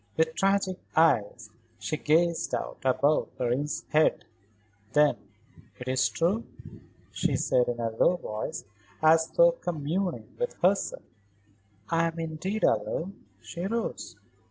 With tragic eyes she gazed out above Karen's head; then: "It is true," she said in a low voice, as though communing with herself; "I am indeed alone." She rose.